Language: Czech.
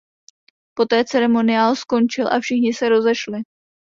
Poté ceremoniál skončil a všichni se rozešli.